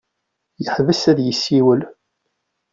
Yeḥbes ad yessiwel.